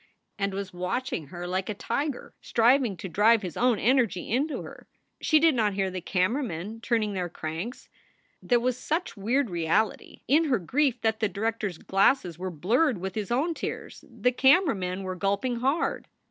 and was watching her like a tiger, striving to drive his own energy into her. She did not hear the camera men turning their cranks. There was such weird reality in her grief that the director s glasses were blurred with his own tears; the camera men were gulping hard.